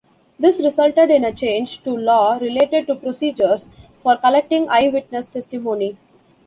This resulted in a change to law related to procedures for collecting eyewitness testimony.